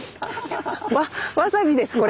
わっわさびですこれ。